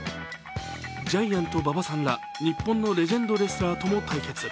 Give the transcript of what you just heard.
ジャイアント馬場さんら日本のレジェンドレスラーとも対決。